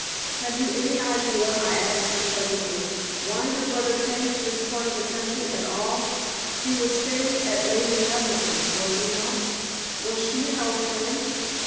"Have you any idea," I asked her presently, "why your brother came to this part of the country at all. He was staying at Lady Naselton's, was he not? Was she an old friend?"